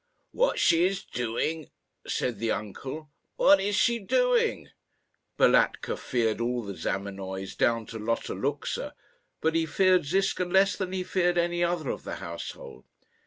"What she is doing!" said the uncle. "What is she doing?" Balatka feared all the Zamenoys, down to Lotta Luxa; but he feared Ziska less than he feared any other of the household.